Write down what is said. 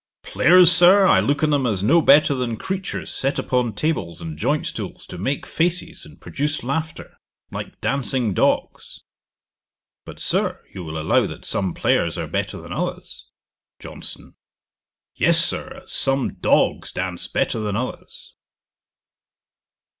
'Players, Sir! I look on them as no better than creatures set upon tables and joint stools to make faces and produce laughter, like dancing dogs.' 'But, Sir, you will allow that some players are better than others?' JOHNSON. 'Yes, Sir, as some dogs dance better than others.'